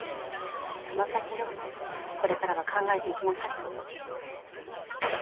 その先をこれからは考えていきなさい。